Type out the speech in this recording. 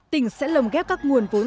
tỉnh sẽ lồng ghép các nguồn vốn